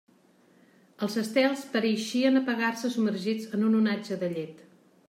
Els estels pareixien apagar-se submergits en un onatge de llet.